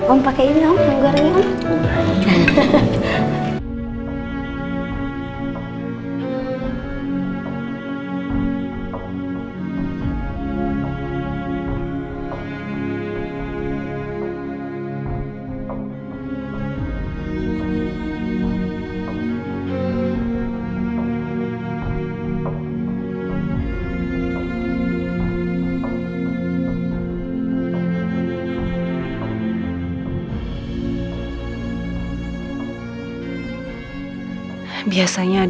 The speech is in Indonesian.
om pake ini om nunggu hari ini om